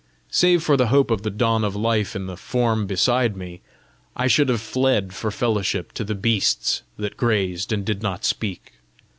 Save for the hope of the dawn of life in the form beside me, I should have fled for fellowship to the beasts that grazed and did not speak.